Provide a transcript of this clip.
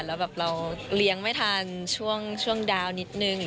แล้วแบบเราเลี้ยงไม่ทันช่วงดาวนิดนึง